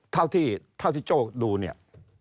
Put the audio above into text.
เท่าที่โจ้ดูเนี่ย